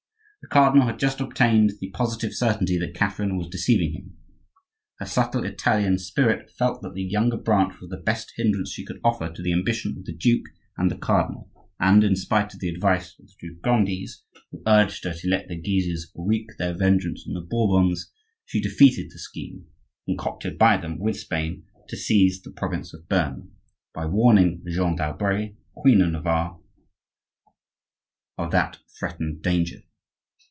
The cardinal had just obtained the positive certainty that Catherine was deceiving him. Her subtle Italian spirit felt that the Younger branch was the best hindrance she could offer to the ambition of the duke and the cardinal; and (in spite of the advice of the two Gondis, who urged her to let the Guises wreak their vengeance on the Bourbons) she defeated the scheme concocted by them with Spain to seize the province of Bearn, by warning Jeanne d'Albret, queen of Navarre, of that threatened danger.